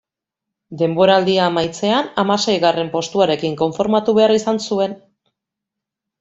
Denboraldia amaitzean hamaseigarren postuarekin konformatu behar izan zuen.